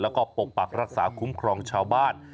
แล้วก็ปกปักรักษาคุ้มครองชาวบ้าน